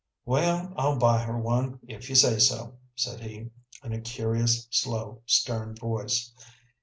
"Well, I'll buy her one if you say so," said he, in a curious, slow, stern voice.